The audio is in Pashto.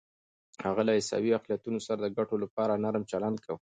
هغه له عیسوي اقلیتونو سره د ګټو لپاره نرم چلند کاوه.